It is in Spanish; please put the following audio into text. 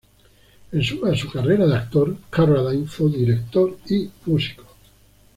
En suma a su carrera de actor, Carradine fue un director y músico.